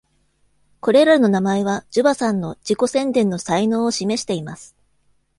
これらの名前は、ジュバさんの自己宣伝の才能を示しています。